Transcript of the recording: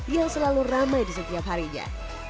yang selalu ramai di setiap harinya